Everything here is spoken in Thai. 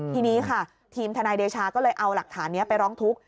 ทีนี้ค่ะทีมทนายเดชาก็เลยเอาหลักฐานนี้ไปร้องทุกข์